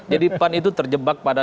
jadi pan itu terjebak pada